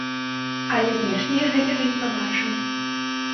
Але знешне я гэтага не пабачыў.